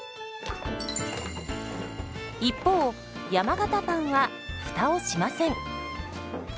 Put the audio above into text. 一方山型パンはフタをしません。